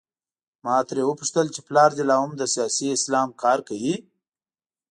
ما ترې وپوښتل چې پلار دې لا هم د سیاسي اسلام کار کوي؟